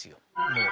もう。